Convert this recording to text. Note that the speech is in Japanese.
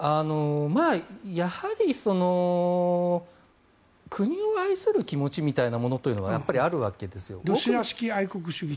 やはり国を愛する気持ちみたいなものというのはロシア的愛国主義？